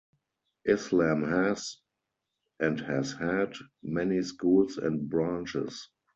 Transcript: Islam has, and has had, many schools and branches.